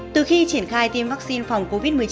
từ khi triển khai tiêm vaccine phòng covid một mươi chín